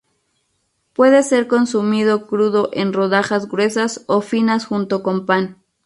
Puede ser consumido crudo en rodajas gruesas o finas junto con pan.